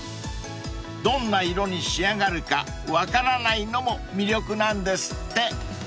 ［どんな色に仕上がるか分からないのも魅力なんですって］